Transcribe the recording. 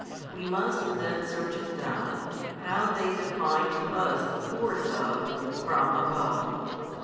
We must then search in them, how they define to us the force of from above.